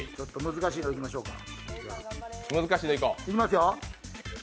難しいのいきましょうか。